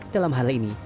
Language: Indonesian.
dalam hal ini